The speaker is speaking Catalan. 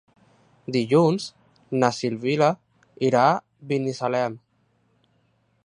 Dilluns na Sibil·la irà a Binissalem.